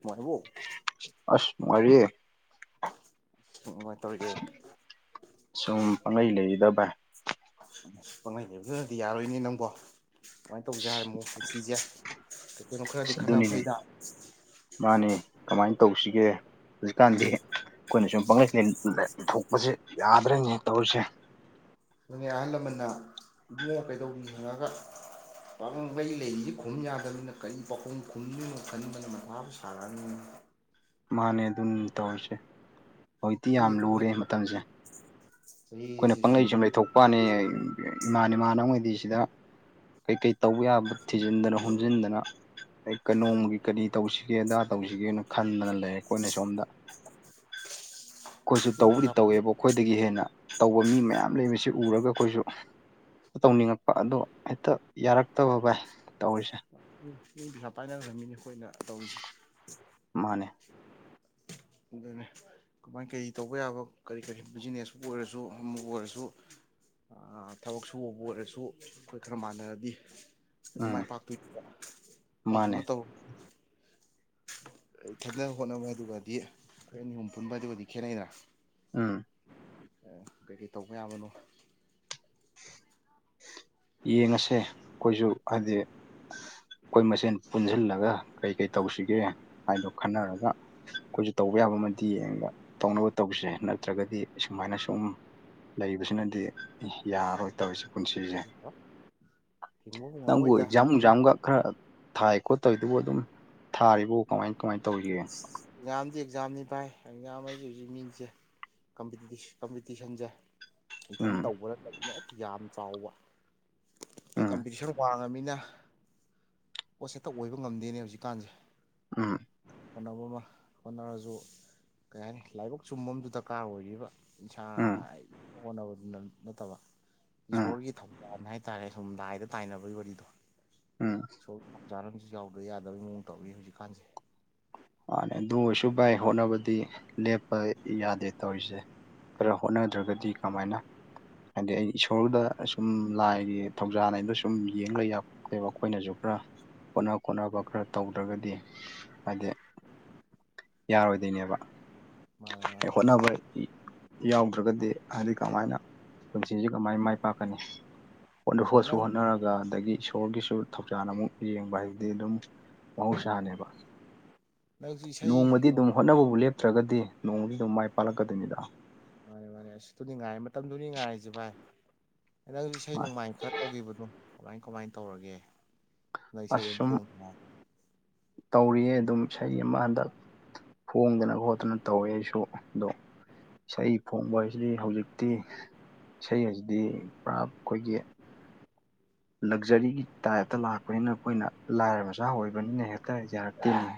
ꯅꯨꯡꯉꯥꯏꯔꯤꯕꫭ ꯑꯁ ꯅꯨꯡꯉꯥꯏꯔꯤꯌꯦ ꯀꯃꯥꯏꯅ ꯇꯧꯔꯤꯒꯦ ꯁꯨꯝ ꯄꯪꯂꯩ ꯂꯩꯔꯤꯗ ꯚꯥꯏ ꯄꯪꯂꯩ ꯂꯩꯕꯅꯗꯤ ꯌꯥꯔꯣꯏꯅꯦ ꯅꯪꯕꯣ ꯀꯃꯥꯏꯅ ꯇꯧꯁꯦ ꯍꯥꯏꯕꯅꫭ ꯄꯨꯟꯁꯤꯁꯦ ꯀꯩ ꯀꯩꯅꯣ ꯈꯔꯗꯤ ꯈꯟꯅꯕ ꯐꯩꯗ ꯃꯥꯅꯤ ꯀꯃꯥꯏꯅ ꯇꯧꯁꯤꯒꯦ ꯍꯧꯖꯤꯛꯀꯥꯟꯗꯤ ꯑꯩꯈꯣꯏꯅ ꯁꯨꯝ ꯄꯥꯡꯂꯩ ꯂꯩꯊꯣꯛꯄꯁꯦ ꯌꯥꯗ꯭ꯔꯅꯦ ꯇꯧꯔꯤꯁꯦ ꯑꯗꯨꯅꯦ ꯑꯍꯜ ꯂꯃꯟꯅ ꯏꯕꯤꯑꯣ ꯀꯩꯗꯧꯕꯤ ꯌꯦꯡꯉꯒ ꯄꯥꯂꯩ ꯂꯩꯔꯤꯗꯤ ꯈꯨꯝ ꯌꯥꯗꯕꯅꯤꯅ ꯀꯔꯤ ꯄꯥꯈꯨꯝ ꯈꯨꯝꯗꯨꯏꯅꯣ ꯈꯟꯕꯗ ꯃꯊꯥ ꯁꯥꯕꯨ ꯁꯥꯔꯛꯑꯕꯅꯤꯅꯦ ꯃꯥꯅꯦ ꯑꯗꯨꯝ ꯇꯧꯁꯦ꯫ ꯍꯧꯏꯇꯤ ꯃꯤ ꯌꯥꯝ ꯍꯦꯛꯇ ꯂꯨꯔꯦ ꯃꯇꯝꯁꯦ ꯈꯣꯏꯅ ꯄꯪꯂꯩ ꯁꯨꯝ ꯂꯩꯊꯣꯛ ꯄ꯭ꯋꯥꯅꯦ ꯏꯃꯥꯟ ꯏꯃꯥꯟꯅꯕꯉꯩꯗꯤ ꯁꯤꯗ ꯀꯩꯀꯩ ꯇꯧꯕ ꯌꯥꯕ ꯊꯤꯖꯤꯟꯗꯅ ꯍꯨꯝꯖꯤꯟꯗꯅ ꯑꯩ ꯀꯅꯣꯡꯃꯒꯤ ꯀꯔꯤ ꯇꯧꯁꯤꯌꯦ ꯑꯗꯥ ꯇꯧꯁꯤꯒꯦꯅ ꯈꯟꯗꯅ ꯂꯩꯔꯤ ꯄꯣꯠꯅꯤ ꯑꯁꯣꯝꯗ ꯈꯣꯏꯁꯨ ꯃꯤ ꯇꯧꯕꯨꯗꯤ ꯄꯩꯁꯥ ꯄꯥꯏꯅ ꯇꯧꯌꯦꯕꯨ ꯈꯣꯏꯗꯒꯤ ꯍꯦꯟꯅ ꯇꯧꯕ ꯃꯤ ꯃꯌꯥꯝ ꯂꯩ ꯃꯁꯤ ꯎꯔꯒ ꯑꯈꯣꯏꯁꯨ ꯇꯧꯅꯤꯡꯉꯛꯄ ꯑꯗꯣ ꯍꯦꯠꯇ ꯌꯥꯔꯛꯇꯕ ꯚꯥꯏ ꯇꯧꯔꯤꯁꯦ꯫ ꯎꯝ ꯎꯝ ꯄꯩꯁꯥ ꯄꯥꯏꯅꯕꯅꯤꯅꯦ ꯑꯈꯣꯏꯅ ꯇꯧꯔꯤꯁꯤ꯫ ꯃꯥꯅꯦ꯫ ꯑꯗꯨꯅꯦ ꯀꯃꯥꯏꯟ ꯀꯩꯏ ꯇꯧꯕ ꯌꯥꯕ ꯀꯔꯤ ꯀꯔꯤ ꯕꯤꯖꯤꯅꯦꯁꯄꯨ ꯑꯣꯏꯔꯁꯨ ꯑꯃꯕꯨ ꯑꯣꯏꯔꯁꯨ ꯑꯥ ꯊꯕꯛ ꯁꯨꯕꯕꯨ ꯑꯣꯏꯔꯁꯨ ꯈꯣꯏ ꯈꯔ ꯃꯥꯟꯅꯔꯗꯤ ꯑꯗꯨꯃꯥꯏ ꯎꯝ [unintelligible] ꯃꯥꯅꯦ ꯑꯩꯒꯨꯝꯅ ꯇꯧ ꯏꯊꯟꯗ ꯍꯣꯠꯅꯕꯗꯨꯒꯗꯤ ꯈꯣꯏ ꯑꯅꯤ ꯑꯍꯨꯝ ꯄꯨꯟꯕꯥꯏꯗꯨꯒꯗꯤ ꯈꯦꯠꯅꯩꯩꯗꯅ꯫ ꯎꯝ꯫ ꯎꯪ ꯀꯩ ꯀꯩ ꯇꯧꯕ ꯌꯥꯕꯅꯣ ꯌꯦꯡꯉꯁꯦ ꯈꯣꯏꯖꯨ ꯍꯥꯏꯗꯤ ꯈꯣꯏ ꯃꯁꯦꯟ ꯄꯨꯟꯁꯤꯜꯂꯒ ꯀꯩ ꯀꯩ ꯇꯧꯁꯤꯒꯦ ꯍꯥꯏꯗꯣ ꯈꯟꯅꯔꯒ ꯈꯣꯏꯁꯨ ꯇꯧꯕ ꯌꯥꯕ ꯃꯗꯤ ꯌꯦꯡꯕ ꯇꯧꯅꯕ ꯇꯧꯁꯦ ꯅꯠꯇ꯭ꯔꯒꯗꯤ ꯁꯨꯃꯥꯏꯅ ꯁꯨꯝ ꯂꯩꯕꯁꯤꯅꯗꯤ ꯌꯥꯔ ꯔꯣꯏ ꯇꯧꯔꯤꯁꯦ ꯄꯨꯟꯁꯤꯁꯦ꯫ ꯍꯤꯡꯕꯕꯨ ꯅꯕꯨ ꯉꯝꯃꯣꯏꯗ ꯑꯦꯛꯖꯥꯝ ꯑꯦꯛꯖꯥꯝꯒ ꯈꯔ ꯊꯥꯏ ꯈꯣꯠ ꯇꯧꯏꯗꯨꯕꯨ ꯑꯗꯨꯝ ꯊꯥꯔꯤꯕꯣ ꯀꯃꯥꯏꯟ ꯀꯃꯥꯏꯟ ꯇꯧꯔꯤꯒꯦ ꯖꯥꯝꯗꯤ ꯑꯦꯛꯖꯥꯝꯅꯤ ꯚꯥꯏ ꯑꯦꯛꯖꯥꯝ ꯍꯥꯏꯁꯦ ꯍꯧꯖꯤꯛ ꯃꯤꯖꯦ ꯀꯝꯄꯤꯇꯤꯇꯤꯁ ꯀꯝꯄꯤꯇꯤꯁꯟꯁꯦ ꯏꯊꯟ ꯎꯝ ꯇꯧꯕ [unintelligible] ꯌꯥꯝ ꯆꯥꯎꯕ ꯎꯝ ꯀꯝꯄꯤꯇꯤꯁꯟ ꯋꯥꯡ ꯉꯝꯃꯤꯅ ꯄꯣꯠꯁꯦꯇ ꯑꯣꯏꯕ ꯉꯝꯗꯦꯅꯦ ꯍꯧꯖꯤꯛꯀꯥꯟꯖꯦ ꯎꯝ꯫ ꯍꯣꯠꯅꯕ ꯑꯃ ꯍꯣꯠꯅꯔꯁꯨ ꯀꯩ ꯍꯥꯏꯅꯤ ꯂꯥꯏꯕꯛ ꯆꯨꯝꯕ ꯑꯝꯁꯨ ꯗꯔꯀꯥꯔ ꯑꯣꯏꯔꯤꯕ ꯏꯁꯥ ꯎꯝ ꯏ ꯍꯣꯠꯅꯕꯗꯨꯅ ꯅꯠꯇꯕ ꯎꯝ ꯏꯁꯣꯔꯒꯤ ꯊꯧꯖꯥꯟ ꯍꯥꯏ ꯇꯥꯔꯦ ꯁꯨꯝ ꯂꯥꯏꯗ ꯇꯥꯏꯅꯕꯒꯤ ꯋꯥꯔꯤꯗꯣ꯫ ꯎꯝ꯫ ꯑꯧ [unintelligible] ꯌꯥꯎꯗ ꯌꯥꯗꯕꯩ ꯃꯑꯣꯡ ꯇꯧꯔꯦꯟ ꯍꯨꯖꯤꯛꯀꯥꯟꯁꯦ꯫ ꯃꯥꯅꯦ ꯑꯗꯨ ꯑꯣꯏꯔꯁꯨ ꯚꯥꯏ ꯍꯣꯠꯅꯕꯗꯤ ꯂꯦꯞꯄ ꯌꯥꯗꯦ ꯇꯧꯔꯤꯁꯦ꯫ ꯈꯔ ꯃꯥꯅꯦ ꯍꯣꯠꯅꯗ꯭ꯔꯒꯗꯤ ꯀꯃꯥꯏꯅ ꯍꯥꯏꯗꯤ ꯑꯩ ꯏꯁꯣꯔꯗ ꯁꯨꯝ ꯂꯥꯏꯒꯤ ꯊꯧꯖꯥꯟ ꯍꯥꯏꯗ ꯅ ꯁꯨꯝ ꯌꯦꯡ ꯂꯩ ꯌꯥ ꯇꯦꯕ ꯈꯣꯏꯅꯖꯨ ꯈ꯭ꯔꯥ ꯍꯣꯠꯅ ꯈꯣꯠꯅꯕ ꯈꯔ ꯇꯧꯗ꯭ꯔꯒꯗꯤ ꯍꯥꯏꯗꯤ ꯌꯥꯔꯣꯏꯗꯩꯅꯦꯕ ꯃꯥꯅꯦ ꯃꯥꯅꯦ ꯍꯣꯠꯅꯕ ꯗꯤ ꯌꯥꯎꯗ꯭ꯔꯒꯗꯤ ꯍꯥꯏꯗꯤ ꯀꯃꯥꯏꯅ ꯄꯨꯟꯁꯤꯁꯤ ꯀꯃꯥꯏꯟ ꯃꯥꯏ ꯄꯥꯛꯀꯅꯤ꯫ ꯍꯣꯠꯅ ꯃꯥꯅꯦ ꯍꯣꯠꯁꯨ ꯅꯪ ꯍꯣꯠꯅꯔꯒ ꯑꯗꯒꯤ ꯏꯁꯣꯔꯒꯤꯁꯨ ꯊꯧꯖꯥꯟꯅ ꯑꯃꯨꯛ ꯌꯦꯡꯕ ꯍꯥꯏꯕꯗꯤ ꯗꯨꯝ ꯃꯥꯅꯦ ꯃꯥꯅꯦ ꯃꯍꯧꯁꯥꯅꯦꯕ꯫ ꯅꯪꯁꯨ ꯏꯁꯩ ꯅꯣꯡꯃꯗꯤ ꯗꯨꯝ ꯍꯣꯠꯅꯕꯕꯨ ꯂꯦꯞꯇ꯭ꯔꯒꯗꯤ ꯅꯣꯡꯃꯗꯤ ꯗꯨꯝ ꯃꯥꯏ ꯄꯥꯥꯛꯂꯛꯀꯗꯣꯏꯅꯤꯗꯅ꯫ ꯃꯥꯅꯤ ꯃꯥꯅꯤ ꯑꯁ ꯇꯨꯅꯤ ꯉꯥꯏꯔꯦ ꯃꯇꯝꯗꯨꯅꯤ ꯉꯥꯏꯔꯤꯁꯤ ꯚꯥꯏ ꯅꯪꯖꯨ ꯏꯁꯩ ꯅꯣꯡꯃꯥꯏ ꯈꯔ ꯇꯧꯒꯤꯕꯗꯨ ꯀꯃꯥꯏꯟ ꯀꯃꯥꯏꯟ ꯇꯧꯔꯒꯦ ꯅꯪ ꯑꯁ ꯏꯁꯩ ꯑꯝ ꯁꯨꯝ ꯐꯣꯡ [unintelligible] ꯇꯧꯔꯤꯌꯦ ꯑꯗꯨꯝ ꯏꯁꯩ ꯑꯃꯥꯟꯗ ꯍꯣꯡꯗꯅ ꯒꯣꯠꯇꯅ ꯇꯧꯋꯦ ꯑꯩꯁꯨ ꯗꯣ ꯏꯁꯩ ꯐꯣꯡꯕ ꯍꯥꯏꯕꯁꯤꯗꯤ ꯍꯧꯖꯤꯛꯇꯤ ꯏꯁꯩ ꯍꯥꯏꯁꯤꯗꯤ ꯄꯨꯔꯥ ꯈꯣꯏꯒꯤ ꯂꯛꯖꯔꯤꯒꯤ ꯇꯥꯏꯞꯇ ꯂꯥꯛꯄꯅꯤꯅ ꯑꯈꯣꯏꯅ ꯂꯥꯏꯔ ꯃꯆꯥ ꯑꯣꯏꯕꯅꯤꯅ ꯍꯦꯛꯇ ꯌꯥꯔꯛꯇꯦꯅꯦ꯫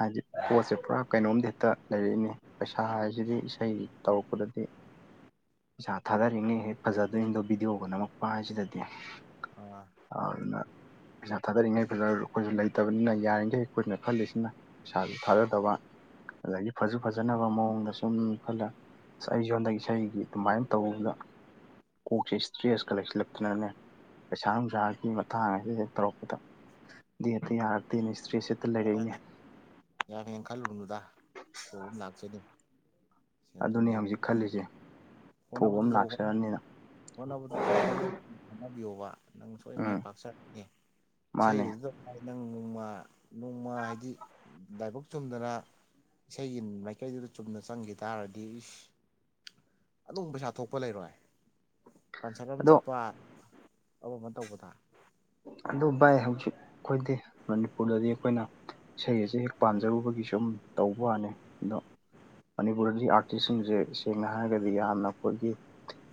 ꯍꯥꯏꯗꯤ ꯄꯣꯠꯁꯦ ꯄꯨꯔꯥ ꯀꯩꯅꯣꯝꯗ ꯍꯦꯛꯇ ꯂꯩꯔꯛꯏꯅꯦ꯫ ꯄꯩꯁꯥ ꯍꯥꯏꯁꯤꯗꯤ ꯏꯁꯩ ꯇꯧꯔꯛꯄꯗꯗꯤ ꯄꯩꯁꯥ ꯊꯥꯗꯔꯤꯉꯩ ꯍꯦꯛ ꯐꯖꯗꯣꯏꯟꯗꯣ ꯕꯤꯗ꯭ꯌꯣꯒ ꯅꯝꯃꯛꯄ ꯍꯥꯏꯁꯤꯗꯗꯤ꯫ ꯑ ꯑꯗꯨꯅ ꯄꯩꯁꯥ ꯊꯥꯗꯔꯤꯉꯩ [unintelligible] ꯑꯩꯈꯣꯏꯁꯨ ꯂꯩꯇꯕꯅꯤꯅ ꯌꯥꯔꯤꯈꯩ ꯑꯩꯈꯣꯏꯁꯤꯅ ꯈꯜꯂꯤꯁꯤꯅ ꯄꯩꯁꯥꯁꯨ ꯊꯥꯖꯗꯕ ꯑꯗꯒꯤ ꯐꯁꯨ ꯐꯖꯅꯕ ꯃꯑꯣꯡꯗ ꯁꯨꯝ ꯈꯜꯂ ꯑꯩꯁꯨ ꯍꯟꯗꯛ ꯆꯍꯤꯒꯤ ꯑꯗꯨꯃꯥꯏꯅ ꯇꯔꯨꯕꯗ ꯀꯣꯛꯁꯦ ꯏꯁꯇ꯭ꯔꯦꯁꯀ ꯂꯩꯁꯜꯂꯛꯇꯅꯅꯦ ꯄꯩꯁꯥ ꯅꯨꯡꯁꯥꯒꯤ ꯃꯇꯥꯡ ꯑꯁꯤ ꯍꯦꯛ ꯇꯧꯔꯛꯄꯗ ꯗꯤ ꯍꯦꯛꯇ ꯌꯥꯔꯛꯇꯦꯅꯦ ꯏꯁꯇ꯭ꯔꯦꯁꯦ ꯍꯦꯛꯇ ꯂꯩꯔꯛꯏꯅꯦ ꯌꯥꯝ ꯍꯦꯟꯅ ꯈꯜꯂꯨꯅꯨꯗ ꯊꯣꯛꯑꯕ ꯑꯃ ꯂꯥꯛꯆꯅꯤ ꯁꯦꯟ ꯑꯗꯨꯅꯦ ꯊꯨꯝꯒꯤꯕꯨ ꯍꯧꯖꯤꯛ ꯈꯜꯂꯤꯁꯦ ꯊꯣꯛꯑ ꯑꯃ ꯍꯣꯠꯅꯕꯗꯨꯗ ꯍꯣꯠꯅ ꯂꯥꯛꯆꯔꯅꯤꯅ ꯍꯣꯠꯅꯕꯗꯨꯗ ꯍꯣꯠꯅꯕ ꯍꯣꯠꯅꯕꯤꯌꯣꯕ ꯅꯪ ꯁꯣꯏ ꯃꯥꯏ ꯎꯝ ꯄꯥꯛꯆꯔꯛꯅꯤ ꯏꯁꯩ ꯃꯥꯅꯦ ꯑꯗꯨꯗ ꯑꯩ ꯅꯪ ꯅꯣꯡꯃ ꯅꯣꯡꯃ ꯍꯥꯏꯗꯤ ꯂꯥꯏꯕꯛ ꯆꯨꯝꯗꯅ ꯏꯁꯩꯒꯤ ꯃꯥꯏꯀꯩꯗꯨꯗ ꯆꯨꯝꯅ ꯆꯪꯈꯤ ꯇꯥꯔꯗꯤ ꯏꯁ ꯑꯗꯨꯃꯨꯛ ꯄꯩꯁꯥ ꯊꯣꯛꯄ ꯂꯩꯔꯣꯏ ꯀꯟꯁꯔꯠ ꯑꯃ ꯑꯗꯣ ꯆꯠꯄꯗ ꯑꯃ ꯑꯃ ꯇꯧꯕꯗ ꯑꯗꯨ ꯚꯥꯏ ꯍꯧꯖꯤꯛ ꯑꯩꯈꯣꯏꯗꯤ ꯃꯅꯤꯄꯨꯔꯗꯗꯤ ꯑꯩꯈꯣꯏꯅ ꯏꯁꯩ ꯑꯁꯦ ꯍꯦꯛ ꯄꯥꯝꯖꯔꯨꯕꯒꯤ ꯁꯨꯝ ꯇꯧꯕ ꯋꯥꯅꯦ ꯑꯗꯣ ꯃꯅꯤꯄꯨꯔꯗꯗꯤ ꯑꯥꯔꯇꯤꯁ ꯁꯤꯡꯁꯦ ꯁꯦꯡꯅ ꯍꯥꯏꯔꯒꯗꯤ ꯌꯥꯝꯅ ꯑꯩꯈꯣꯏꯒꯤ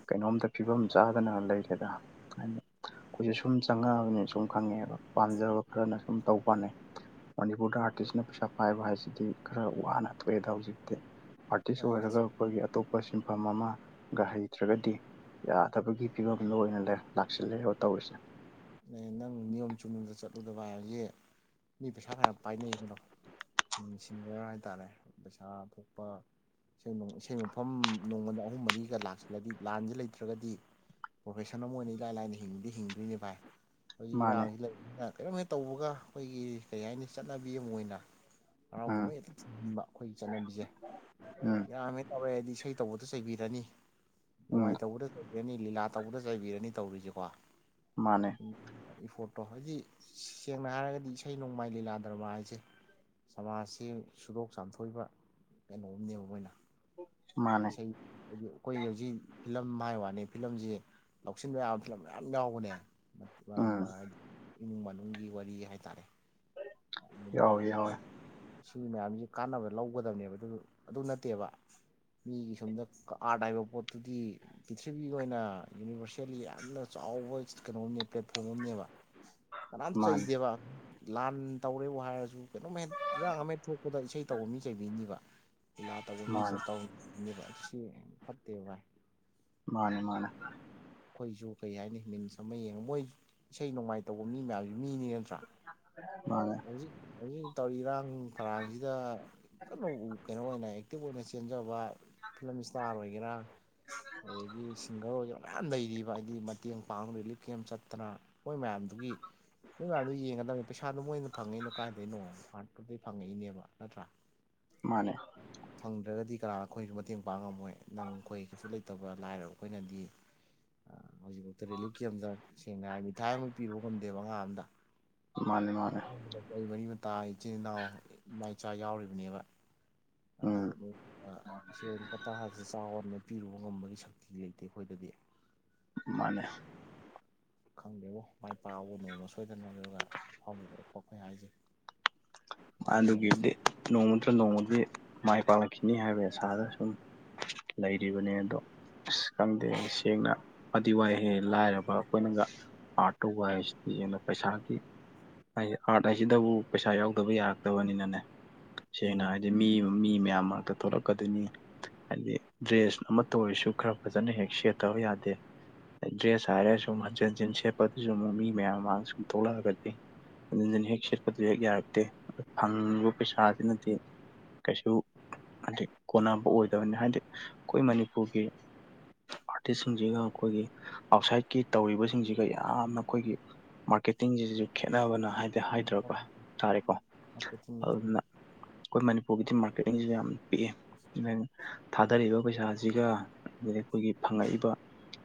ꯀꯩꯅꯣꯝꯗ ꯐꯤꯕꯝ ꯆꯥꯗꯅ ꯂꯩꯔꯦꯗ ꯍꯥꯏꯗꯤ ꯑꯩꯈꯣꯏꯁꯨ ꯁꯨꯝ ꯆꯪꯉꯛꯑꯕꯅꯤꯅ ꯁꯨꯝ ꯈꯪꯉꯛꯑꯦꯕ ꯄꯥꯝꯖꯕ ꯈꯔꯅ ꯁꯨꯝ ꯇꯧꯕꯋꯥꯅꯤ ꯃꯅꯤꯄꯨꯔꯗ ꯑꯥꯔꯇꯤꯁꯅ ꯄꯩꯁꯥ ꯄꯥꯏꯕ ꯍꯥꯏꯁꯤꯗꯤ ꯈꯔ ꯋꯥꯅ ꯊꯣꯛꯑꯦꯗ ꯍꯧꯖꯤꯛꯇꯤ ꯑꯥꯔꯇꯤꯁ ꯑꯣꯏꯔꯒ ꯑꯩꯈꯣꯏꯒꯤ ꯑꯇꯣꯞꯄ ꯁꯤꯟꯐꯝ ꯑꯃꯒ ꯍꯩꯇ꯭ꯔꯒꯗꯤ ꯌꯥꯗꯕꯒꯤ ꯐꯤꯕꯝꯗ ꯑꯣꯏꯅ ꯂꯩꯔ ꯂꯥꯛꯁꯜꯂꯦꯕ ꯇꯧꯔꯤꯁꯦ ꯑꯗꯨꯅꯦ ꯅꯪ ꯅꯤꯌꯣꯝ ꯆꯨꯝꯅꯗ ꯆꯠꯂꯨꯗꯕ ꯕꯥꯏ ꯍꯧꯖꯤꯜ ꯃꯤ ꯄꯩꯁꯥ ꯐꯅꯌꯥꯝ ꯄꯥꯏꯅꯩ ꯀꯩꯅꯣ ꯎꯝ ꯁꯤꯡꯒꯔ ꯍꯥꯏꯇꯥꯔꯦ ꯄꯩꯁꯥ ꯊꯣꯛꯄ ꯏꯁꯩ ꯃꯐꯝ ꯅꯣꯡꯃꯗ ꯑꯍꯨꯝ ꯃꯔꯤꯒ ꯂꯥꯛꯁꯤꯜꯂꯗꯤ ꯂꯥꯟꯁꯦ ꯂꯩꯇ꯭ꯔꯒꯗꯤ ꯄ꯭ꯔꯣꯐꯦꯁꯟ ꯑꯃ ꯑꯣꯏꯅ ꯏꯔꯥꯏ ꯂꯥꯏꯅ ꯍꯤꯡꯗꯤ ꯍꯤꯡꯗꯣꯏꯅꯦ ꯚꯥꯏ ꯍꯧꯖꯤꯛ ꯃꯥꯅꯦ ꯏꯔꯥꯡꯁꯤ ꯂꯩꯕꯅꯤꯅ ꯀꯩꯅꯣꯝꯍꯦꯛ ꯇꯧꯕꯒ ꯑꯩꯈꯣꯏꯒꯤ ꯀꯔꯤ ꯍꯥꯏꯅꯤ ꯆꯠꯅꯕꯤ ꯑꯃ ꯑꯣꯏꯅ ꯍꯔꯥꯎ ꯎꯝ ꯀꯨꯝꯍꯩ ꯍꯦꯛꯇ ꯊꯤꯡꯖꯤꯟꯕ ꯑꯩꯈꯣꯏ ꯆꯠꯅꯕꯤꯁꯦ ꯎꯝ ꯌꯥꯝꯃꯦ ꯇꯧꯔꯦ ꯍꯥꯏꯗꯤ ꯏꯁꯩ ꯇꯧꯕꯗ ꯆꯩꯕꯤꯔꯅꯤ ꯎꯝ ꯅꯣꯡꯃꯥꯏ ꯇꯧꯕꯗ ꯔꯅꯤ ꯂꯤꯂꯥ ꯇꯧꯕꯗ ꯆꯩꯕꯤꯔꯅꯤ ꯇꯧꯔꯤꯁꯦꯀꯣ ꯃꯥꯅꯦ ꯏꯐꯣꯔꯠꯇꯣ ꯍꯥꯏꯗꯤ ꯁꯦꯡꯅ ꯍꯥꯏꯔꯒꯗꯤ ꯏꯁꯩ ꯅꯣꯡꯃꯥꯏ ꯂꯤꯂꯥ ꯗ꯭ꯔꯃꯥ ꯍꯥꯏꯁꯦ ꯁꯃꯥꯖꯁꯤ ꯁꯨꯗꯣꯛ ꯆꯥꯝꯊꯣꯛꯏꯕ ꯀꯩꯅꯣꯝꯅꯦꯕ ꯃꯣꯏꯅ ꯃꯥꯅꯦ ꯏꯁꯩ [inaudible] ꯑꯩꯈꯣꯏ ꯍꯧꯖꯤꯛ ꯐꯤꯂꯝ ꯍꯥꯏ ꯋꯥꯅꯤ ꯐꯤꯂꯝꯁꯤ ꯂꯧꯁꯤꯟꯕ ꯌꯥꯕ ꯐꯤꯂꯝ ꯃꯌꯥꯝ ꯌꯥꯎꯕꯅꯦ ꯎꯝ ꯃ ꯍꯥꯏꯗꯤ ꯏꯃꯨꯡ ꯃꯅꯨꯡꯒꯤ ꯋꯥꯔꯤ ꯍꯥꯏꯇꯥꯔꯦ ꯑꯗꯨꯅ ꯌꯥꯎꯋꯦ ꯌꯥꯎꯋꯦ ꯁꯤ ꯃꯌꯥꯝꯁꯤ ꯀꯥꯟꯅꯕ ꯂꯧꯒꯗꯕꯅꯦꯕ ꯑꯗꯨ ꯑꯗꯨ ꯅꯠꯇꯦꯕ ꯃꯤꯒꯤ ꯁꯣꯝꯗ ꯑꯥꯔꯠ ꯍꯥꯏꯕ ꯄꯣꯠꯇꯨꯗꯤ ꯄ꯭ꯔꯤꯊꯤꯕꯤꯒꯤ ꯑꯣꯏꯅ ꯌꯨꯅꯤꯕꯔꯁꯦꯜꯂꯤ ꯌꯥꯝꯅ ꯆꯥꯎꯕ ꯀꯩꯅꯣꯝꯅꯦ ꯄ꯭ꯂꯦꯠꯐꯣꯝ ꯑꯃꯅꯦꯕ ꯀꯅꯥꯝ ꯃꯥꯅꯦ ꯆꯩꯗꯦꯕ ꯂꯥꯟ ꯇꯧꯔꯦꯕꯨ ꯍꯥꯏꯔꯁꯨ ꯀꯩꯅꯣꯝꯃ ꯍꯦꯛ ꯏꯔꯥꯡ ꯑꯃ ꯍꯦꯛ ꯊꯣꯛꯄꯗ ꯏꯁꯩ ꯇꯧꯕ ꯃꯤ ꯆꯩꯕꯤꯅꯤꯕ ꯂꯤꯂꯥ ꯇꯧꯕ ꯃꯤꯁꯦ ꯃꯥꯅꯦ ꯒꯧ ꯅꯦꯕ ꯁꯤ ꯐꯠꯇꯦ ꯚꯥꯏ ꯃꯥꯅꯦ ꯃꯥꯅꯦ ꯑꯩꯈꯣꯏꯁꯨ ꯀꯩ ꯍꯥꯏꯅꯤ ꯃꯤꯟꯁ ꯑꯃ ꯌꯦꯡꯉ ꯃꯣꯏ ꯏꯁꯩ ꯅꯣꯡꯃꯥꯏ ꯇꯧꯕ ꯃꯤ ꯃꯌꯥꯝꯁ ꯃꯤꯅꯤꯅ ꯃꯥꯅꯦ ꯃꯥꯅꯦ ꯍꯧꯖꯤꯛ ꯍꯧꯖꯤꯛ ꯇꯧꯔꯤ ꯏꯔꯥꯡ ꯐꯔꯥꯡꯁꯤꯗ ꯀꯟꯅ ꯀꯩꯅꯣ ꯑꯣꯏꯅ ꯑꯦꯛꯇꯤꯚ ꯑꯣꯏꯅ ꯆꯦꯟꯖꯕ ꯐꯤꯂꯝ ꯏꯁꯇꯥꯔ ꯑꯣꯏꯒꯦꯔꯥ ꯑꯗꯒꯤ ꯁꯤꯡꯒꯔ ꯑꯣꯏꯒꯦꯔꯥ ꯃꯌꯥꯝ ꯂꯩꯔꯤꯕ ꯍꯥꯏꯗꯤ ꯃꯇꯦꯡ ꯄꯥꯡꯅ ꯔꯤꯂꯤꯞ ꯀꯦꯝ ꯆꯠꯇꯅ ꯃꯣꯏ ꯃꯌꯥꯝꯗꯨꯒꯤ ꯗꯨꯏ ꯃꯌꯥꯝꯗꯣ ꯌꯦꯡꯒꯗꯕꯅꯦ ꯄꯩꯁꯥꯗꯣ ꯃꯣꯏꯅ ꯐꯪꯉꯛꯏꯅꯣ ꯀꯥꯏꯗꯣꯏꯩꯅꯣ ꯑꯥꯔꯠꯇꯨꯗꯩ ꯐꯪꯉꯛꯏꯅꯦꯕ ꯅꯠꯇ꯭ꯔꯥ [unintelligible] ꯃꯥꯅꯦ ꯐꯪꯗ꯭ꯔꯒꯗꯤ ꯀꯅꯥ ꯑꯩꯈꯣꯏꯁꯨ ꯃꯇꯦꯡ ꯄꯥꯡꯕ ꯉꯝꯃꯣꯏ ꯅꯪ ꯑꯩꯈꯣꯏ ꯀꯩꯁꯨ ꯂꯩꯇꯕ ꯂꯥꯏꯔꯕ ꯑꯩꯈꯣꯏꯅꯗꯤ ꯍꯧꯖꯤꯛꯐꯥꯎꯗ ꯔꯤꯂꯤꯐꯀꯤꯦꯝꯗ ꯁꯦꯡꯅ ꯍꯥꯏ ꯃꯤꯊꯥꯏ ꯑꯃꯛ ꯄꯤꯔꯣ ꯈꯝꯗꯦꯕ ꯉꯥ ꯑꯝꯗ ꯃꯥꯅꯦ ꯃꯥꯅꯦ ꯀꯔꯤ ꯃꯔꯤ ꯃꯇꯥꯏ ꯏꯆꯤꯜ ꯏꯅꯥꯎ ꯆꯆꯥ ꯌꯥꯎꯔꯤꯕꯅꯦꯕ ꯎꯝ ꯑꯣ ꯑꯃꯝ ꯏꯆꯦ ꯄꯇꯥꯥꯁ ꯆꯥ ꯄꯤꯔꯨꯕ ꯉꯝꯕꯒꯤ ꯁꯛꯇꯤꯗꯤ ꯂꯩꯇꯦ ꯑꯩꯈꯣꯏꯗꯗꯤ ꯃꯥꯅꯦ ꯈꯪꯗꯦꯕꯣ ꯃꯥꯏ ꯄꯥꯛꯕꯅꯣꯏꯕ ꯁꯣꯏꯗꯅꯣ ꯑꯗꯨꯒꯥꯎꯕꯤꯣ ꯑꯩꯈꯣꯏꯅ ꯍꯥꯏꯁꯤ ꯑꯗꯨꯒꯤꯗꯤ ꯅꯣꯡꯃꯇ꯭ꯔ ꯅꯣꯡꯃꯗꯤ ꯃꯥꯏ ꯄꯥꯛꯂꯛꯈꯤꯅꯤ ꯍꯥꯏꯕ ꯑꯁꯥꯗ ꯁꯨꯝ ꯂꯩꯔꯤꯕꯅꯦ ꯑꯗꯣ ꯑꯁ ꯈꯪꯗꯦ ꯁꯦꯡꯅ ꯑꯗꯨ ꯋꯥꯏꯍꯦꯛ ꯂꯥꯏꯔꯕ ꯑꯩꯈꯣꯏꯅꯒ ꯑꯥꯔꯠ ꯇꯧꯕ ꯍꯥꯏꯁꯤꯗꯤꯟꯅ ꯄꯩꯁꯥꯒꯤ ꯍꯥꯏꯗꯤ ꯑꯥꯔꯠ ꯍꯥꯏꯁꯤꯗꯕꯨ ꯄꯩꯁꯥ ꯌꯥꯎꯗꯕ ꯌꯥꯗꯦ ꯛꯇꯕꯅꯤꯅꯅꯦ ꯁꯦꯡꯅ ꯎꯝ ꯍꯥꯏꯗꯤ ꯃꯤ ꯃꯤ ꯃꯌꯥꯝ ꯃꯔꯛꯇ ꯊꯣꯛꯂꯛꯀꯗꯣꯏꯅꯤ ꯍꯥꯏꯗꯤ ꯗ꯭ꯔꯦꯁ ꯑꯃ ꯇ ꯑꯣꯏꯔꯁꯨ ꯈꯔ ꯐꯖꯅ ꯍꯦꯛ ꯁꯦꯠꯇꯕ ꯌꯥꯗꯦ ꯗ꯭ꯔꯦꯁ ꯍꯥꯏꯔꯦ ꯁꯨꯝ ꯍꯟꯖꯤꯟ ꯍꯟꯖꯤꯟ ꯁꯦꯠꯄꯗꯨꯁꯨ ꯑꯃꯨꯛ ꯃꯤ ꯃꯌꯥꯝ ꯃꯥꯡ ꯁꯨꯝ ꯊꯣꯛꯂꯛꯑꯒꯗꯤ ꯑꯗꯨꯗꯨꯅ ꯍꯦꯛ ꯁꯤꯦꯠꯄꯗꯨ ꯍꯦꯛ ꯌꯥꯔꯛꯇꯦ ꯐꯪꯉꯤꯕ ꯄꯩꯁꯥꯗꯨꯅꯗꯤ ꯀꯩꯁꯨ ꯍꯥꯏꯗꯤ ꯀꯣꯟꯅꯕ ꯑꯣꯏꯗꯕꯅꯤ ꯍꯥꯏꯗꯤ ꯑꯩꯈꯣꯏ ꯃꯅꯤꯄꯨꯔꯒꯤ ꯑꯥꯔꯇꯤꯁꯁꯤꯡꯁꯤꯒ ꯑꯩꯈꯣꯏꯒꯤ ꯑꯥꯎꯠꯁꯥꯏꯠꯀꯤ ꯇꯧꯔꯤꯕꯁꯤꯡꯁꯤꯒ ꯌꯥꯝꯅ ꯑꯩꯈꯣꯏꯒꯤ ꯃꯥꯔꯀꯦꯇꯤꯡꯁꯤꯁꯨ ꯈꯦꯠꯅꯕꯅ ꯍꯥꯏꯗꯤ ꯍꯥꯏꯗ꯭ꯔꯛꯄ ꯍꯥꯏ ꯇꯥꯔꯦꯀꯣ ꯍꯣꯏ ꯆꯨꯝꯃꯦ ꯆꯨꯝꯃꯦ ꯑꯗꯨꯅ ꯑꯩꯈꯣꯏ ꯃꯅꯤꯄꯨꯔꯒꯤꯗꯤ ꯃꯥꯔꯀꯦꯇꯤꯡꯁꯤ ꯌꯥꯝ ꯄꯤꯛꯑꯦ ꯊꯥꯗꯔꯤꯕ ꯄꯩꯁꯥꯁꯤꯒ ꯑ ꯑꯩꯈꯣꯏꯒꯤ ꯐꯪꯉꯛꯏꯕ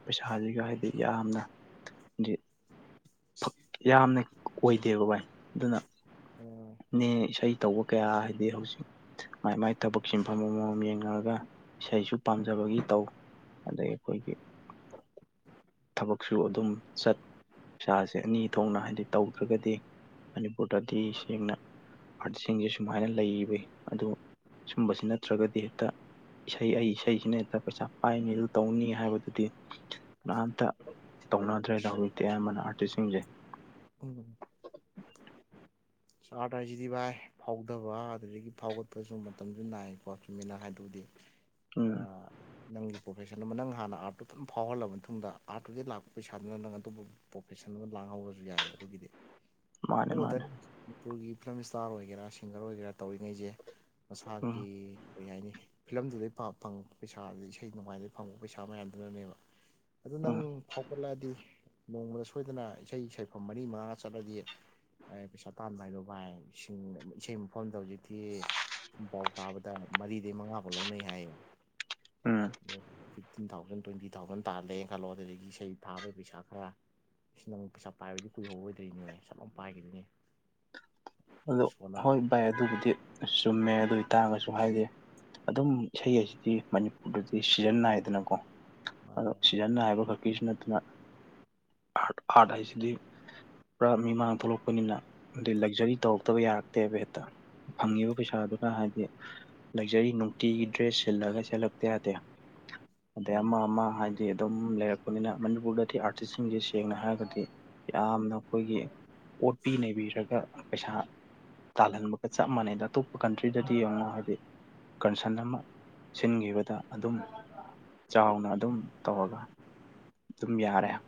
ꯄꯩꯁꯥꯁꯤꯒ ꯍꯥꯏꯗꯤ ꯌꯥꯝꯅ ꯍꯥꯢꯗꯤ ꯌꯥꯝꯅ ꯑꯣꯏꯗꯦꯕ ꯚꯥꯏ ꯑꯗꯨꯅ ꯅ ꯏꯁꯩ ꯇꯧꯕ ꯀꯌꯥ ꯍꯥꯏꯗꯤ ꯍꯧꯖꯤꯛ ꯃꯥꯏ ꯃꯥꯏ ꯊꯕꯛ ꯁꯤꯟꯐꯝ ꯑꯃꯃꯝ ꯌꯦꯡꯅꯔꯒ ꯏꯁꯩꯁꯨ ꯄꯥꯝꯖꯕꯒꯤ ꯇꯧ ꯑꯗꯩ ꯑꯩꯈꯣꯏꯒꯤ ꯊꯕꯛꯁꯨ ꯑꯗꯨꯝ ꯆꯠ ꯄꯩꯁꯥꯁꯦ ꯑꯅꯤ ꯊꯣꯛꯅ ꯍꯥꯏꯗꯤ ꯇꯧꯗ꯭ꯔꯒꯗꯤ ꯃꯅꯤꯄꯨꯔꯗꯗꯤ ꯁꯦꯡꯅ ꯑꯥꯔꯇꯤꯁꯁꯤꯡꯁꯦ ꯁꯨꯃꯥꯏꯅ ꯂꯩꯕ ꯑꯗꯨꯣ ꯁꯨꯝꯕꯁꯤ ꯅꯠꯇ꯭ꯔꯒꯗꯤ ꯍꯦꯛꯇ ꯏꯁꯩ ꯑꯩ ꯏꯁꯩꯁꯤꯅ ꯍꯦꯛꯇ ꯄꯩꯁꯥ ꯄꯥꯏꯅꯤ ꯑꯗꯨ ꯇꯧꯅꯤ ꯍꯥꯏꯕꯗꯨꯗꯤ ꯀ ꯑꯝꯇ ꯇꯧꯅꯗ꯭ꯔꯦꯗ ꯍꯧꯖꯤꯛꯇꯤ ꯑꯌꯥꯝ ꯑꯃꯅ ꯑꯥꯔꯇꯤꯁꯁꯤꯡꯁꯦ ꯎꯝ ꯆꯥꯔꯗꯔꯁꯤꯗꯤ ꯚꯥꯏ ꯐꯥꯎꯗꯕ ꯑꯗꯨꯗꯒꯤ ꯐꯥꯎꯒꯠꯄꯁꯨ ꯃꯇꯝꯁꯨ ꯅꯥꯏꯀꯣ ꯁꯨꯝꯃꯤꯅ ꯍꯥꯏꯗꯨꯕꯨꯗꯤ [inaudible] ꯎꯝ ꯅꯪꯒꯤ ꯄ꯭ꯔꯣꯐꯦꯁꯟ ꯑꯃ ꯅꯪ ꯍꯥꯟꯅ ꯑꯥꯔꯠꯇꯨ ꯑꯗꯨꯝ ꯐꯥꯎꯍꯜꯂꯕ ꯃꯇꯨꯡꯗ ꯑꯥꯔꯠꯇꯨꯒꯤ ꯂꯥꯛꯄ ꯄꯩꯁꯥꯗꯨꯅ ꯅꯪ ꯑꯇꯣꯞꯄ ꯄ꯭ꯔꯣꯐꯦꯁꯟ ꯑꯃ ꯂꯥꯡꯍꯧꯔꯁꯨ ꯌꯥꯏꯑꯕ ꯑꯗꯨꯒꯤꯗꯤ ꯑꯗꯨ ꯃꯥꯅꯦ ꯃꯥꯅꯦ ꯉꯛꯇꯅꯤ ꯃꯅꯤꯄꯨꯔꯒꯤ ꯐꯤꯂꯝ ꯏꯁꯇꯥꯔ ꯑꯣꯏꯒꯦꯔꯥ ꯁꯤꯡꯒꯔ ꯑꯣꯏꯒꯦꯔꯥ ꯇꯧꯔꯤꯉꯩꯁꯦ ꯎꯝ ꯃꯁꯥꯒꯤ ꯀꯩ ꯍꯥꯏꯅꯤ ꯐꯤꯂꯝꯗꯨꯗꯩ ꯐꯪ ꯄꯩꯁꯥ ꯑꯗꯩ ꯏꯁꯩ ꯅꯣꯡꯉꯥꯏꯩ ꯐꯪꯕ ꯄꯩꯁꯥ ꯃꯌꯥꯝꯗꯨꯅꯅꯦꯕ ꯑꯗꯨ ꯅꯪ ꯎꯝ ꯐꯥꯎꯒꯠꯂꯛꯑꯗꯤ ꯅꯣꯡꯃꯗ ꯁꯣꯏꯗꯅ ꯏꯁꯩ ꯁꯩꯐꯝ ꯃꯔꯤ ꯃꯉꯥ ꯆꯠꯂꯗꯤ ꯄꯩꯁꯥ ꯄꯥꯏ ꯂꯣꯚꯥꯏ ꯁꯤꯡ ꯏꯁꯩ ꯃꯐꯝꯗ ꯍꯧꯖꯤꯛ ꯐꯤ ꯁꯨꯝ ꯄꯥꯎ ꯇꯥꯕꯗ ꯃꯔꯤꯗꯩ ꯃꯉꯥ ꯐꯥꯎ ꯂꯧꯅꯩ ꯍꯥꯏꯌꯦꯕ ꯎꯝ ꯑ [inaudible] ꯐꯤꯞꯇꯤꯟ ꯊꯥꯎꯖꯟ ꯇ꯭ꯋꯦꯟꯇꯤ ꯊꯥꯎꯖ ꯇꯥꯜꯂꯦꯅ ꯈꯜꯂꯣ ꯑꯗꯨꯗꯒꯤ ꯏꯁꯩ ꯊꯥꯕꯩ ꯄꯩꯁꯥ ꯈꯔ ꯅꯪ ꯄꯩꯁꯞ ꯄꯥꯏꯕꯗꯤ ꯀꯨꯏꯍꯧꯔꯗꯣꯏꯔꯤꯅꯦ ꯁꯞ ꯑꯃ ꯄꯥꯏꯈꯤꯗꯣꯏꯅꯦ ꯑꯗꯣ ꯁꯣꯟꯅ ꯍꯣꯏ ꯚꯥꯏ ꯑꯗꯨꯕꯨꯗꯤ ꯆꯨꯝꯃꯦ ꯑꯗꯨ ꯑꯣꯏꯇꯥꯥꯔꯒꯁꯨ ꯍꯥꯏꯗꯤ ꯑꯗꯨꯝ ꯏꯁꯩ ꯍꯥꯏꯁꯤꯗꯤ ꯃꯅꯤꯄꯨꯔꯗꯗꯤ ꯁꯤꯖꯟ ꯅꯥꯏꯗꯅꯀꯣ ꯑꯗꯣ ꯃꯥꯅꯦ ꯁꯤꯖꯟꯅ ꯍꯥꯏꯕ ꯈꯛꯀꯤꯁꯨ ꯅꯠꯇꯅ ꯑꯥꯔꯠ ꯑꯥꯔꯠ ꯍꯥꯏꯁꯤꯗꯤ ꯄꯨꯔꯥ ꯃꯤꯃꯥꯡ ꯊꯣꯛꯂꯛꯄꯅꯤꯅ ꯑꯗꯤ ꯂꯛꯖꯔꯤ ꯇꯧꯔꯛꯇꯕ ꯌꯥꯔꯛꯇꯦꯕ ꯍꯦꯛꯇ ꯐꯪꯉꯤꯕ ꯄꯩꯁꯥꯗꯨꯒ ꯍꯥꯏꯗꯤ ꯂꯛꯖꯔꯤ ꯅꯨꯡꯇꯤꯒꯤ ꯗ꯭ꯔꯦꯁ ꯁꯤꯜꯂꯒ ꯆꯦꯜꯂꯛꯇ ꯌꯥꯗꯦ ꯑꯗꯩ ꯎꯝ ꯑꯃ ꯑꯃ ꯍꯥꯏꯗꯤ ꯑꯗꯨꯝ ꯂꯩꯔꯛꯄꯅꯤꯅ ꯃꯅꯤꯄꯨꯔꯗꯗꯤ ꯑꯥꯔꯇꯤꯁꯁꯤꯡꯁꯦ ꯁꯦꯡꯅ ꯍꯥꯏꯔꯒꯗꯤ ꯌꯥꯝꯅ ꯑꯩꯈꯣꯏꯒꯤ ꯑꯣꯠꯄꯤ ꯅꯩꯕꯤꯔꯒ ꯄꯩꯁꯥ ꯇꯥꯜꯍꯟꯕꯒ ꯆꯞ ꯃꯥꯟꯅꯩꯗ ꯑꯇꯣꯞꯄ ꯀꯟꯇ꯭ꯔꯤꯗꯗꯤ ꯌꯦꯡꯉꯣ ꯍꯥꯏꯗꯤ ꯀꯟꯁꯟ ꯑꯃ ꯁꯤꯟꯈꯤꯕꯗ ꯑꯗꯨꯝ ꯆꯥꯎꯅ ꯑꯗꯨꯝ ꯇꯧꯔꯒ ꯑꯗꯨꯝ ꯌꯥꯔꯦ ꯎꯝ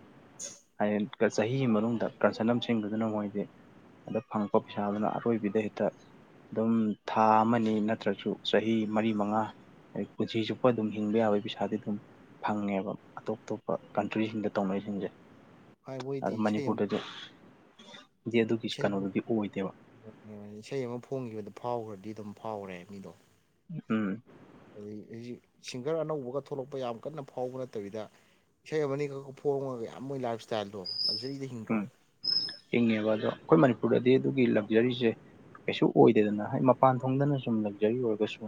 ꯍꯥꯏꯗꯤ ꯆꯍꯤꯒꯤ ꯃꯅꯨꯡꯗ ꯀꯟꯁꯟ ꯑꯃꯥ ꯁꯤꯟꯈꯔ꯭ꯁꯨꯅꯨ ꯃꯣꯏꯗꯤ ꯑꯗ ꯐꯪꯉꯛꯄ ꯄꯩꯁꯥꯗꯨꯅ ꯑꯔꯣꯏꯕꯤꯗ ꯍꯦꯛꯇ ꯑꯗꯨꯝ ꯊꯥ ꯑꯃꯅꯤ ꯅꯠꯇ꯭ꯔꯁꯨ ꯆꯍꯤ ꯃꯔꯤ ꯃꯉꯥ ꯑꯩ ꯄꯨꯟꯁꯤ ꯆꯨꯞꯄ ꯑꯗꯨꯝ ꯍꯤꯡꯕ ꯌꯥꯕꯒꯤ ꯄꯩꯁꯥꯗꯤ ꯑꯗꯨꯝ ꯐꯪꯉꯦꯕ ꯑꯇꯣꯞ ꯑꯇꯣꯞꯄ ꯀꯟꯇ꯭ꯔꯤꯁꯤꯡꯗ ꯇꯧꯅꯩꯁꯤꯡꯁꯦ ꯚꯥꯏ ꯑꯗꯨ ꯃꯣꯏꯗꯤ ꯏꯁꯩ ꯑꯃ ꯃꯅꯤꯄꯨꯔꯗꯗꯤ ꯗꯤ ꯑꯗꯨꯒꯤ ꯏꯁꯩ ꯀꯩꯅꯣꯗꯨꯗꯤ ꯑꯣꯏꯗꯦꯕ ꯏꯁꯩ ꯑꯃ ꯐꯣꯡꯈꯤꯕꯗ ꯐꯥꯎꯈ꯭ꯔꯗꯤ ꯑꯗꯨꯝ ꯐꯥꯎꯔꯦ ꯃꯤꯗꯣ ꯎꯝ ꯑꯗꯒꯤ ꯍꯧꯖꯤꯛ ꯁꯤꯡꯒꯔ ꯑꯅꯧꯕꯒ ꯊꯣꯛꯂꯛꯄ ꯌꯥꯝ ꯀꯟꯅ ꯐꯥꯎꯕ ꯅꯠꯇꯕꯤꯗ ꯏꯁꯩ ꯑꯃꯅꯤ ꯈꯛ ꯐꯣꯡꯉꯒ ꯌꯥꯝ ꯃꯣꯏ ꯂꯥꯏꯞ ꯏꯁꯇꯥꯏꯜꯗꯣ ꯂꯛꯖꯔꯤꯗ ꯍꯤꯡꯈ꯭ꯔꯣ ꯏꯤꯡꯉꯦꯕ ꯑꯗꯣ ꯑꯩꯈꯣꯏ ꯃꯅꯤꯄꯨꯔꯗꯗꯤ ꯑꯗꯨꯒꯤ ꯂꯛꯖꯔꯤꯁꯦ ꯀꯩꯁꯨ ꯑꯣꯏꯗꯦꯗꯅ ꯍꯥꯏ ꯃꯄꯥꯟ ꯊꯣꯡꯗꯅ ꯁꯨꯝ ꯂꯛꯖꯔꯤ ꯑꯣꯏꯔꯒꯁꯨ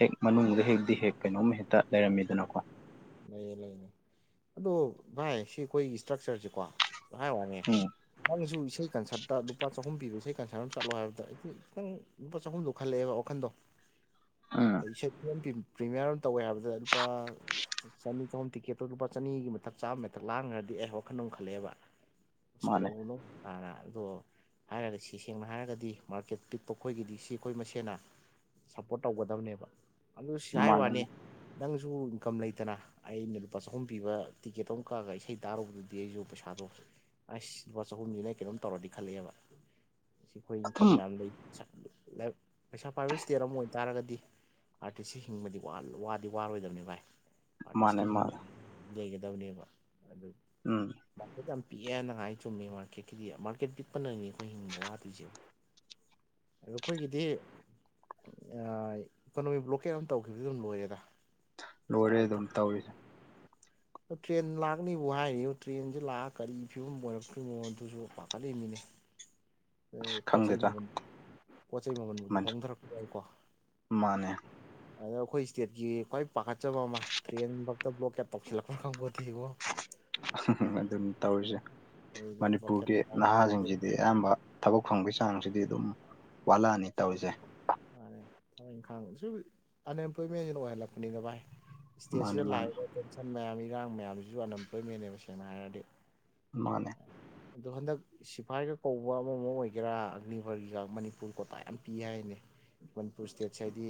ꯍꯦꯛ ꯃꯅꯨꯡꯗ ꯍꯦꯛꯛꯇ ꯍꯦꯛ ꯀꯩꯅꯣꯝ ꯍꯦꯛꯇ ꯂꯩꯔꯝꯃꯤꯗꯅꯀꯣ ꯂꯩꯌꯦ ꯂꯩꯅꯦ ꯑꯗꯣ ꯚꯥꯏ ꯁꯤ ꯑꯩꯈꯣꯏꯒꯤ ꯏꯁꯇ꯭ꯔꯛꯆꯔꯁꯤꯀꯣ ꯍꯥꯏꯔꯡꯉꯦ ꯎꯝ ꯅꯪꯁꯨ ꯏꯁꯩ ꯀꯟꯁꯔꯞꯇ ꯂꯨꯄꯥ ꯆꯍꯨꯝ ꯄꯤꯕꯣ ꯏꯁꯩ ꯀꯟꯁꯔꯞ ꯑꯃ ꯆꯠꯂꯣ ꯍꯥꯏꯕꯗ ꯑꯩ ꯈꯤꯇꯪ ꯂꯨꯄꯥ ꯆꯍꯨꯝꯗꯣ ꯈꯜꯂꯛꯑꯦꯕ ꯋꯥꯈꯟꯗꯣ ꯎꯝ ꯑꯩ ꯁ ꯄ꯭ꯔꯤꯃꯤꯌꯔ ꯑꯃ ꯇꯧꯋꯦ ꯍꯥꯏꯕꯗ ꯂꯨꯄꯥ ꯆꯅꯤ ꯊꯍꯨꯝ ꯇꯤꯛꯀꯦꯠꯇꯣ ꯂꯨꯄꯥ ꯆꯅꯤꯒꯤ ꯃꯊꯛ ꯆꯥꯕ ꯃꯦꯊꯛ ꯂꯥꯡꯈ꯭ꯔꯗꯤ ꯑꯩ ꯋꯥꯈꯜ ꯑꯃꯜꯂꯦꯕ ꯏꯁ ꯃꯥꯅꯦ ꯀꯗꯕꯨꯅꯣ ꯍꯥꯟꯅ ꯑꯗꯣ ꯍꯥꯏꯔꯒꯗꯤ ꯁꯤ ꯁꯦꯡꯅ ꯍꯥꯏꯔꯒꯗꯤ ꯃꯥꯔꯀꯦꯠ ꯄꯤꯛꯄ ꯑꯩꯈꯣꯏꯒꯤꯗꯤ ꯁꯤ ꯑꯩꯈꯣꯏ ꯃꯁꯦꯅ ꯁꯞꯄꯣꯔꯠ ꯇꯧꯒꯗꯕꯅꯦꯕ ꯑꯗꯨ ꯁꯤꯥꯏ ꯃꯥꯅꯦ ꯋꯥꯅꯤ ꯅꯪꯁꯨ ꯏꯟꯀꯝ ꯂꯩꯇ ꯅꯠꯇꯅ ꯑꯩꯅ ꯂꯨꯄꯥ ꯆꯍꯨꯝ ꯄꯤꯕ ꯇꯤꯛꯀꯦꯠ ꯑꯃꯨꯛ ꯀꯛꯑꯒ ꯏꯁꯩ ꯇꯥꯔꯨꯕꯗꯨꯗꯤ ꯑꯩꯁꯨ ꯄꯩꯁꯥꯗꯣ ꯑꯁ ꯂꯨꯄꯥ ꯆꯍꯨꯝꯁꯤꯅ ꯑꯩ ꯀꯩꯅꯣꯝ ꯇꯧꯔꯗꯤ ꯈꯜꯂꯛꯑꯦꯕ ꯑꯩꯈꯣꯏ ꯏꯟꯀꯝ ꯑꯗꯨꯝ ꯌꯥꯝ ꯂꯩ ꯄꯩꯁꯥ ꯄꯥꯏꯕ ꯏꯁꯇꯦꯠ ꯑꯃ ꯑꯣꯏꯇꯥꯥꯔꯒꯗꯤ ꯑꯥꯔꯇꯤꯁꯁꯤ ꯍꯤꯡꯕꯗꯤ ꯋꯥꯗꯤ ꯋꯥꯔꯣꯏꯗꯕꯅꯤ ꯚꯥꯏ ꯃꯥꯅꯦ ꯑꯥꯔꯇꯤꯁꯀꯤ ꯍꯤꯡ ꯃꯥꯅꯦ ꯂꯩꯒꯗꯕꯅꯦꯕ ꯑꯗꯨ ꯎꯝ ꯃꯥꯔꯀꯦꯠ ꯌꯥꯝ ꯄꯤꯛꯑꯦꯅꯉꯥꯏ ꯆꯨꯝꯃꯦ ꯃꯥꯔꯀꯦꯠꯀꯤꯗꯤ ꯃꯥꯔꯀꯦꯠ ꯄꯤꯛꯄ ꯅꯪꯅꯤ ꯑꯩꯈꯣꯏ ꯍꯤꯡ ꯋꯥꯇꯣꯏꯁꯦꯕ ꯑ ꯑꯩꯈꯣꯏꯒꯤꯗꯤ ꯏꯀꯣꯅꯣꯃꯤꯛ ꯕ꯭ꯂꯣꯀꯦꯠ ꯑꯃ ꯇꯧꯈꯤꯕꯗꯨ ꯑꯗꯨꯝ ꯂꯣꯏꯔꯦꯗ ꯂꯣꯏꯔꯦ ꯆꯥꯕ ꯑꯗꯨꯝ ꯇꯧꯔꯤꯁꯦ [inaudible] ꯇ꯭ꯔꯦꯟ ꯂꯥꯛꯅꯤꯕꯨ ꯍꯥꯏꯔꯤ ꯇ꯭ꯔꯦꯟꯁꯤꯦ ꯂꯥꯛꯑꯒ ꯀꯔꯤ ꯐꯤꯕꯝ ꯑꯣꯏꯔꯛꯄꯔꯤ ꯃꯣꯟꯗꯨꯁꯨ ꯄꯥꯈꯠꯂꯤꯃꯤꯅꯦ ꯑꯁ [inaudible] ꯄꯣꯠ ꯆꯩꯩ ꯈꯪꯗꯦꯗ ꯃꯃꯜ ꯄꯣꯠ ꯆꯩꯩ ꯃꯃꯜꯕꯨꯗꯤ ꯃꯥꯅꯦ ꯍꯣꯡꯊꯔꯛꯄ ꯌꯥꯏꯀꯣ ꯑꯗꯣ ꯑꯩꯈꯣꯏ ꯏꯁꯇꯦꯠꯀꯤ ꯈ꯭ꯋꯥꯏ ꯄꯥꯈꯠꯆꯕ ꯑꯃ ꯇ꯭ꯔꯦꯟ ꯐꯛꯇ ꯕ꯭ꯂꯣꯀꯦꯞ ꯇꯧꯁꯤꯜꯂꯛꯄꯅ ꯈꯪꯕꯨꯗꯤꯕꯣ ꯑꯗꯨꯝ ꯇꯧꯔꯤꯁꯦ ꯑꯗꯨꯗꯤ ꯕ꯭ꯂꯣꯀꯦꯠ ꯃꯅꯤꯄꯨꯔꯒꯤ ꯅꯍꯥꯁꯤꯡꯁꯤꯗꯤ ꯑꯌꯥꯝꯕ ꯊꯕꯛ ꯐꯪꯕꯒꯤ ꯆꯥꯡꯁꯤꯗꯤ ꯑꯗꯨꯝ ꯋꯥꯠꯂꯛꯑꯅꯤ ꯇꯧꯔꯤꯁꯦ ꯊꯥꯡ ꯏꯪꯈꯥꯡ ꯁꯨꯝ ꯑꯟꯑꯦꯝꯄ꯭ꯂꯣꯏꯃꯦꯟꯁꯤꯅ ꯑꯣꯏꯍꯜꯂꯛꯄꯅꯤꯅ ꯚꯥꯏ ꯃꯥꯅꯤ ꯏꯁꯇꯦꯠꯁꯤꯗ ꯃꯥꯅꯤ ꯂꯥꯛꯏꯕ ꯇꯦꯟꯁꯟ ꯃꯌꯥꯝ ꯏꯔꯥꯡ ꯃꯌꯥꯝꯁꯤꯁꯨ ꯑꯟꯑꯦꯝꯄ꯭ꯂꯣꯏꯃꯦꯟꯅꯦꯕ ꯁꯦꯡꯅ ꯍꯥꯏꯔꯗꯤ ꯃꯥꯅꯦ ꯑꯗ ꯍꯟꯗꯛ ꯁꯤꯐꯥꯏꯒ ꯀꯧꯕ ꯑꯃ ꯑꯃ ꯑꯣꯏꯒꯦꯔꯥ ꯑꯒꯅꯤꯚꯔꯒꯤꯒ ꯃꯅꯤꯄꯨꯔ ꯌꯥꯝ ꯄꯤ ꯍꯥꯏꯅꯦ ꯃꯅꯤꯄꯨꯔ ꯏꯁꯇꯦꯠꯁ ꯍꯥꯏꯗꯤ